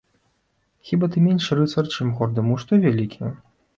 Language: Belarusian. Хіба ты менш рыцар, чым горды муж твой вялікі?